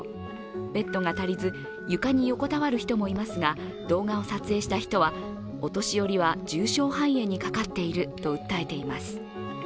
ベッドが足りず、床に横たわる人もいますが動画を撮影した人は、お年寄りは重症肺炎にかかっていると訴えています。